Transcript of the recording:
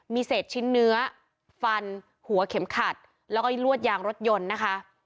มีเศษชิ้นเนื้อฟันหัวเข็มขัดแล้วก็ลวดยางรถยนต์นะคะ